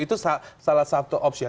itu salah satu opsi